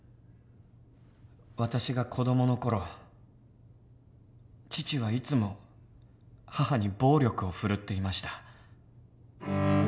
私が子どもの頃父はいつも母に暴力を振るっていました。